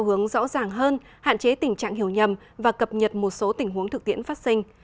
hướng rõ ràng hơn hạn chế tình trạng hiểu nhầm và cập nhật một số tình huống thực tiễn phát sinh